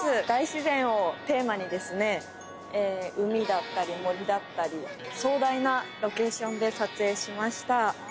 大自然をテーマに海だったり、森だったり、壮大なロケーションで撮影しました。